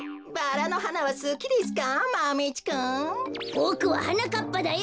ボクははなかっぱだよ。